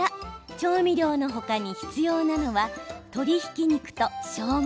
調味料の他に必要なのは鶏ひき肉としょうが